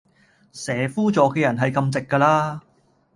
蛇夫座既人係咁直㗎啦